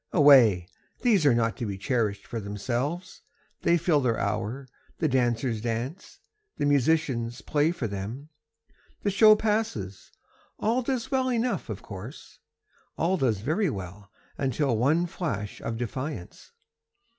Away! these are not to be cherishŌĆÖd for themselves, They fill their hour, the dancers dance, the musicians play for them, The show passes, all does well enough of course, All does very well till one flash of defiance.